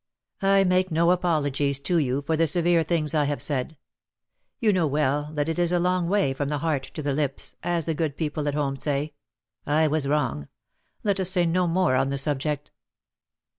I make no apologies to you for the severe things I have said; you know well that 'it is a long way from the heart to the lips,' as the good people at home say. I was wrong; let us say no more on the subject."